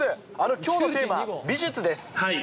きょうのテーマ、美術です。